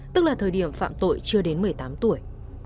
tức là thời điểm phạm tội chưa đến một mươi tám tuổi